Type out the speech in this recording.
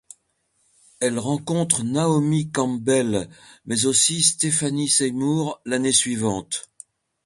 Elle rencontre Naomi Campbell mais aussi Stephanie Seymour l'année suivante.